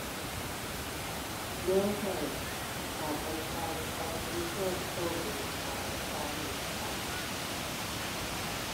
Joe Harris had been part of a Detroit soul group called The Fabulous Peps.